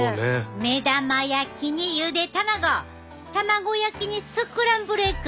目玉焼きにゆで卵卵焼きにスクランブルエッグ！